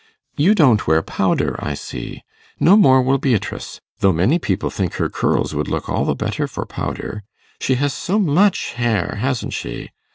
You don't wear powder, I see. No more will Beatrice; though many people think her curls would look all the better for powder. She has so much hair, hasn't she?